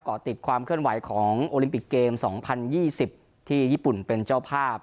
ติดความเคลื่อนไหวของโอลิมปิกเกม๒๐๒๐ที่ญี่ปุ่นเป็นเจ้าภาพ